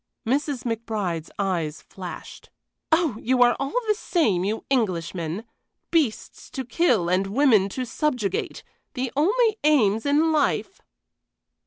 Mrs. McBride's eyes flashed. "Oh, you are all the same, you Englishmen. Beasts to kill and women to subjugate the only aims in life!"